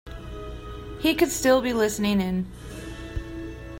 He could still be listening in.